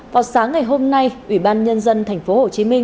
vào sáng ngày hôm nay ủy ban nhân dân tp hcm